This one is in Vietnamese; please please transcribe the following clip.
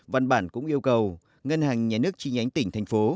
văn bản cũng yêu cầu ngân hàng nhà nước chi nhánh tỉnh thành phố